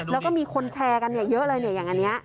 แล้วก็มีคนแชร์กันเยอะเลยเนี่ยอย่างอันนี้